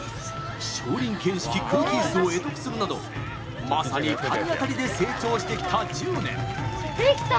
少林拳式空気いすを会得するなどまさに体当たりで成長してきた１０年。